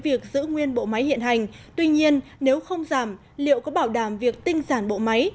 việc giữ nguyên bộ máy hiện hành tuy nhiên nếu không giảm liệu có bảo đảm việc tinh giản bộ máy